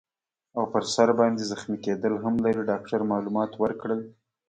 او پر سر باندي زخمي کیدل هم لري. ډاکټر معلومات ورکړل.